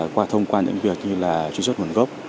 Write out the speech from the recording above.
qua thông qua những việc như là truy xuất nguồn gốc